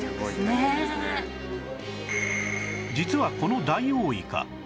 実はこのダイオウイカ